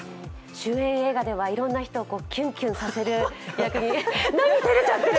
主演映画ではいろんな人をキュンキュンさせる役で何、照れちゃってる！